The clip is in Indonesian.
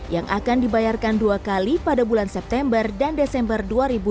yang akan dibayarkan dua kali pada bulan september dan desember dua ribu dua puluh